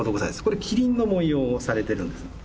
これ麒麟の文様をされてるんですね。